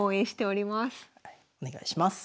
お願いします。